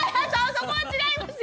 そこは違いますよ！